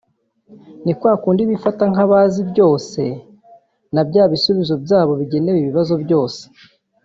ni kwa kundi bifata nk’abazi byose na bya bisubizo byabo bigenewe ibibazo byose